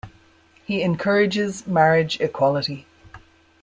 He encourages marriage equality.